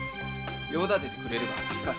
用立ててくれれば助かる。